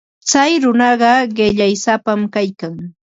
Tsay runaqa qillaysapam kaykan.